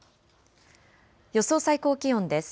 予想最高気温です。